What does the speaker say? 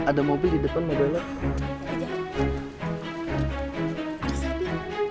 ada mobil di depan mau balik